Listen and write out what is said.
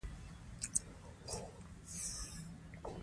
افغانان باید افغانستان ته له هر څه لومړيتوب ورکړي